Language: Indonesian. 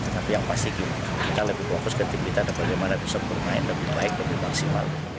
tapi yang pasti kita lebih fokus ke tim kita dan bagaimana bisa bermain lebih baik lebih maksimal